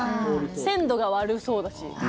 鮮度が悪そうだし。